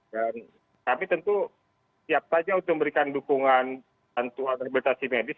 dan kami tentu siap saja untuk memberikan dukungan tentuan rehabilitasi medis